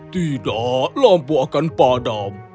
tidak lampu akan padam